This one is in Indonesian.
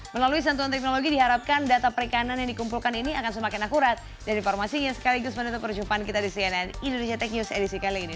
melalui santuan teknologi diharapkan data perikanan yang dikumpulkan ini akan semakin akurat dan informasinya sekaligus menutup perjumpaan kita di cnn indonesia tech news edisi kali ini